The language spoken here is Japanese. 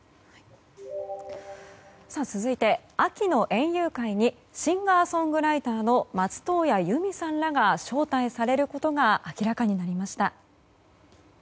続いて秋の園遊会にシンガーソングライターの松任谷由実さんらが招待されることが明らかになりました。